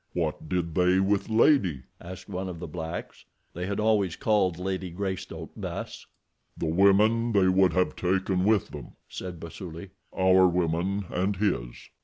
"What did they with 'Lady'?" asked one of the blacks. They had always called Lady Greystoke thus. "The women they would have taken with them," said Basuli. "Our women and his."